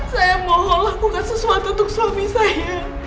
saya mohonlah bukan sesuatu untuk suami saya